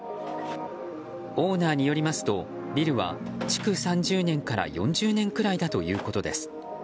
オーナーによりますとビルは築３０年から４０年くらいだということです。